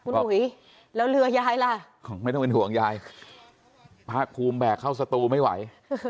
คุณอุ๋ยแล้วเรือยายล่ะไม่ต้องเป็นห่วงยายภาคภูมิแบกเข้าสตูไม่ไหว